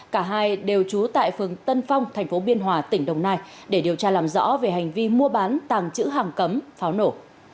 cả hai đều trú tại phường tân phong tp biên hòa tỉnh đồng nai để điều tra làm rõ về hành vi mua bán tàng chữ hàng cấm pháo nổ